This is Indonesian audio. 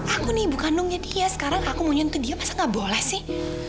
aku nih ibu kandungnya dia sekarang aku mau nyentuh dia masa gak boleh sih